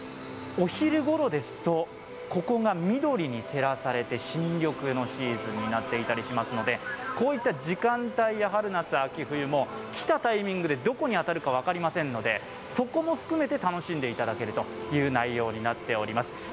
お昼ごろですと、ここが緑に照らされて新緑のシーズンになっていたりしますので、こういった時間帯や春夏秋冬も来たタイミングでどこに当たるか分かりませんので、そこも含めて楽しんでいただけるという内容になっております。